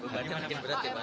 bebannya makin berat ya pak